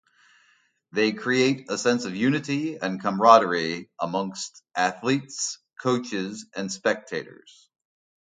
They create a sense of unity and camaraderie among athletes, coaches, and spectators.